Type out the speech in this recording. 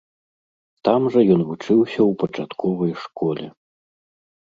Там жа ён вучыўся ў пачатковай школе.